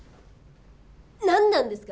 なんなんですか？